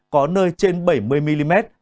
có nơi trên bảy mươi mm